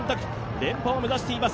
連覇を目指しています。